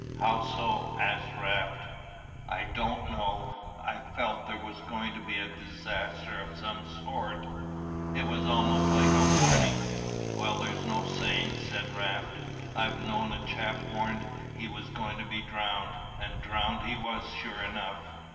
"How so?" asked Raft. "I don't know. I felt there was going to be a disaster of some sort it was almost like a warning." "Well, there's no saying," said Raft. "I've known a chap warned he was going to be drowned, and drowned he was sure enough.